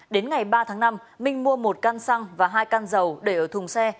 đến ngày ba tháng năm minh mua một căn xăng và hai can dầu để ở thùng xe